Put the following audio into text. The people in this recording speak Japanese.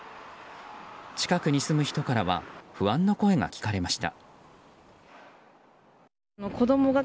近くに住む人からは不安な声が聞かれました。